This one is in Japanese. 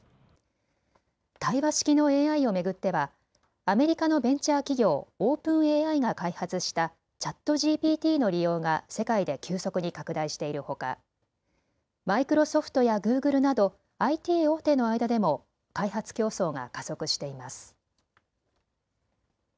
対話式のＡＩを巡ってはアメリカのベンチャー企業、オープンＡＩが開発したＣｈａｔＧＰＴの利用が世界で急速に拡大しているほかマイクロソフトやグーグルなどＩＴ大手の間でも開発競争が加速しています。